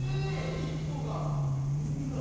１個がこんな。